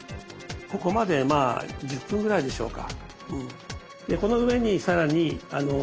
ここまでまあ１０分ぐらいでしょうか。